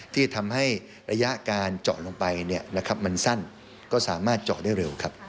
ที่ทำให้ระยะการเจาะลงไปมันสั้นก็สามารถเจาะได้เร็วครับ